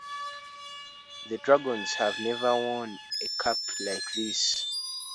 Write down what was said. The Dragons have never worn a cap like this.